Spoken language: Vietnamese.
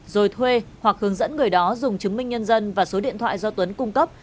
rồi thuê hoặc hướng dẫn người đó dùng chứng minh nhân dân và số điện thoại do tuấn cung cấp